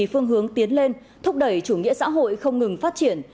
phương hướng tiến lên thúc đẩy chủ nghĩa xã hội không ngừng phát triển